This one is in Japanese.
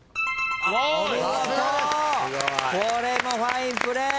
これもファインプレー。